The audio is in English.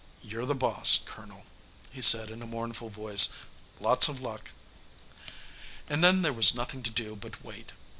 "You're the boss, Colonel," he said in a mournful voice. "Lots of luck." And then there was nothing to do but wait.